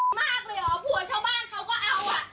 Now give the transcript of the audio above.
มากเลยเหรอผัวชาวบ้านเขาก็เอาอ่ะ